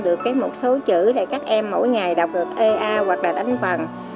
được một số chữ để các em mỗi ngày đọc được ea hoặc là đánh phần